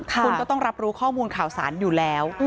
คุณก็ต้องรับรู้ข้อมูลข่าวสารอยู่แล้ว